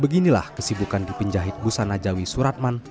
beginilah kesibukan dipenjahit busana jawi suratman